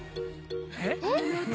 えっ？